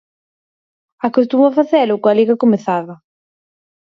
Acostuma a facelo coa Liga comezada.